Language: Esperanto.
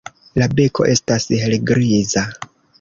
La beko estas helgriza.